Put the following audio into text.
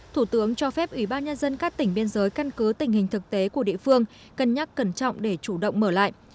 thủ tướng cho phép ủy ban nhân dân các tỉnh biên giới căn cứ tình hình thực tế của địa phương cân nhắc cẩn trọng để chủ động mở lại